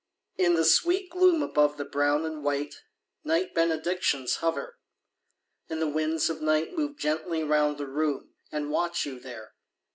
In the sweet gloom above the brown and white Night benedictions hover; and the winds of night Move gently round the room, and watch you there.